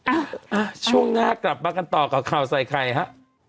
อ่ะช่วงหน้ากลับมากันต่อกับข่าวใส่ไข่ฮะ